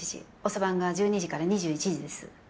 遅番が１２時から２１時です。